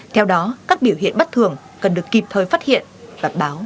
theo đó các biểu hiện bất thường cần được kịp thời phát hiện và báo